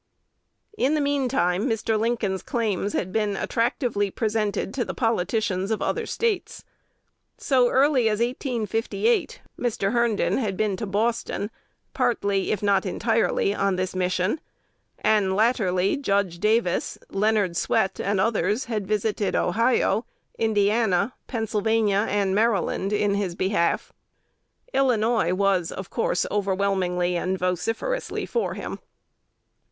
In the mean time Mr. Lincoln's claims had been attractively presented to the politicians of other States. So early as 1858, Mr. Herndon had been to Boston partly, if not entirely, on this mission; and latterly Judge Davis, Leonard Swett, and others had visited Ohio, Indiana, Pennsylvania, and Maryland in his behalf. Illinois was, of course, overwhelmingly and vociferously for him.